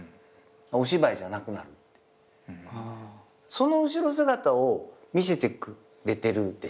その後ろ姿を見せてくれてるでしょ？